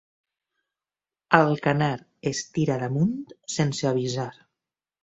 Alcanar es tira damunt sense avisar.